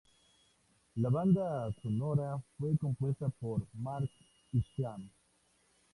La banda sonora fue compuesta por Mark Isham.